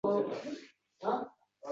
Jajji barmoqchalaridan ketma-ket o‘parkan.